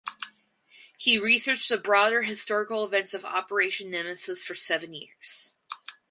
He researched the broader historical events of Operation Nemesis for seven years.